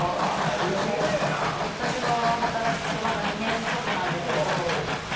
私も働いてまだ２年ちょっとなんですけど。